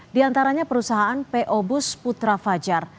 diantaranya perusahaan po bus putra fajar